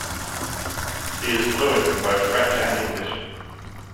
He is fluent in both French and English.